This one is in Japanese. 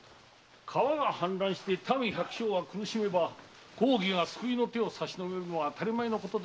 川が氾濫して民百姓が苦しめば公儀が救いの手をさしのべるのは当たり前のことでございます。